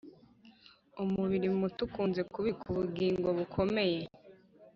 umubiri muto ukunze kubika ubugingo bukomeye.